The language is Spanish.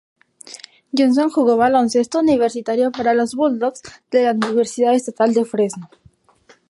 Johnson jugó baloncesto universitario para los Bulldogs de la Universidad Estatal de Fresno.